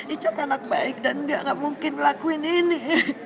ica kanak baik dan dia gak mungkin melakuin ini